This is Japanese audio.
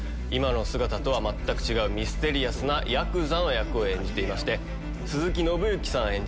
今の姿とは全く違うミステリアスなヤクザの役を演じていまして鈴木伸之さん